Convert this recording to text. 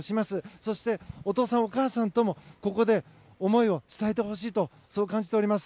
そしてお父さん、お母さんにもここで思いを伝えてほしいと感じております。